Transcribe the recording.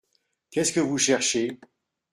Qu’est-ce que vous cherchez ?